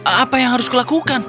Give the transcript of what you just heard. apa yang harus kulakukan